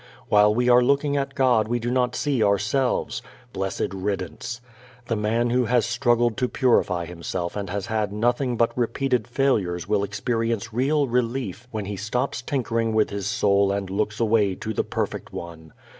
While we are looking at God we do not see ourselves blessed riddance. The man who has struggled to purify himself and has had nothing but repeated failures will experience real relief when he stops tinkering with his soul and looks away to the perfect One.